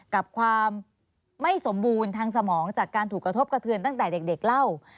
กับความไม่สมบูรณ์ทางสมองจากการถูกกระทบกระเทือนตั้งแต่เด็กเล่า